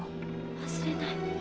忘れない。